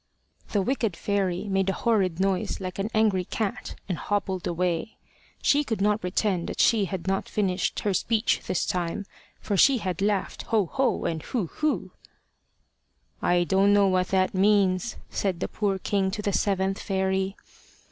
The wicked fairy made a horrid noise like an angry cat, and hobbled away. She could not pretend that she had not finished her speech this time, for she had laughed Ho, ho! and Hu, hu! "I don't know what that means," said the poor king to the seventh fairy.